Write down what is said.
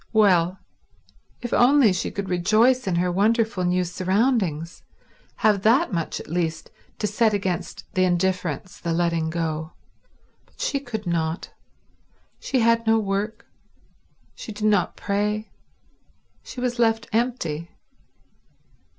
Well, if only she could rejoice in her wonderful new surroundings, have that much at least to set against the indifference, the letting go—but she could not. She had no work; she did not pray; she was left empty.